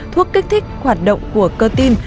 thuốc kích thích hoạt động của cơ tin